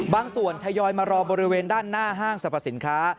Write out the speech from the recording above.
บางส่วนทยอยมารอบริเวณด้านหน้าห้างสรรพสินค้า